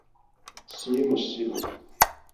Siri musiru!